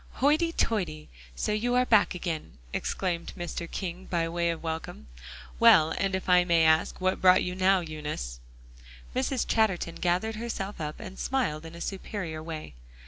"Hoity toity! So you are back again!" exclaimed Mr. King by way of welcome. "Well, and if I may ask, what brought you now, Eunice?" Mrs. Chatterton gathered herself up and smiled in a superior way.